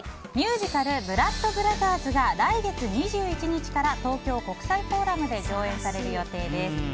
ミュージカル「ブラッド・ブラザーズ」が来月２１日から東京国際フォーラムで上演される予定です。